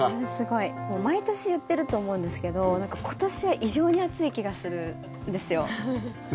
毎年言ってると思うんですけど今年、異常に暑い気がするんですよ。